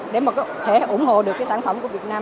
để mà có thể ủng hộ được cái sản phẩm của việt nam